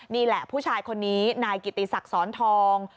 นี่แหละผู้ชายคนนี้นายกิติศักดิ์สอนทอง